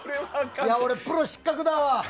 俺、プロ失格だわ。